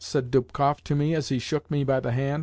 _" said Dubkoff to me as he shook me by the hand.